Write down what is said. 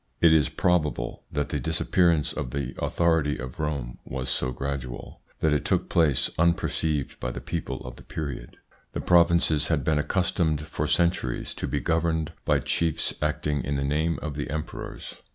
It is probable that the disappearance of the authority of Rome was so gradual, that it took place unperceived by the people of the period. The ITS INFLUENCE ON THEIR EVOLUTION 159 provinces had been accustomed for centuries to be governed by chiefs acting in the name of the emperors.